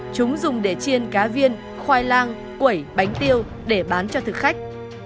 chúng dùng để chiên cá viên khoai lang quẩy bánh tiêu để bán cho thực khách